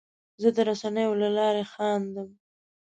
زه د رسنیو له لارې خندم.